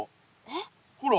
ほら。